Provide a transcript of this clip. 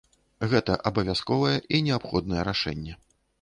Гэта абавязковае і неабходнае рашэнне.